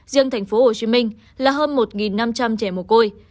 riêng thành phố hồ chí minh là hơn một năm trăm linh trẻ mồ côi